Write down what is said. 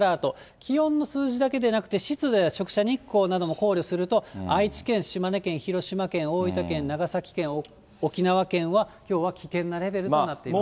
気温の数字だけでなくて、湿度や直射日光なども考慮すると、愛知県、島根県、広島県、大分県、沖縄県は、きょうは危険なレベルとなっています。